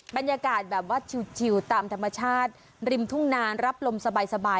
บรรยากาศแบบว่าชิวตามธรรมชาติริมทุ่งนานรับลมสบาย